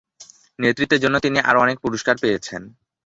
নেতৃত্বের জন্য তিনি আরও অনেক পুরস্কার পেয়েছেন।